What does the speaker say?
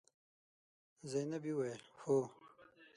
زينبې وويل: هو.